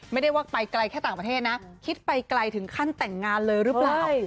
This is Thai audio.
ไม่ได้ว่าไปไกลแค่ต่างประเทศนะคิดไปไกลถึงขั้นแต่งงานเลยหรือเปล่า